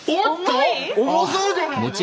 重い⁉重そうじゃないの？